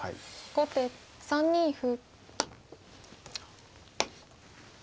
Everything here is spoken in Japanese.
後手３二歩。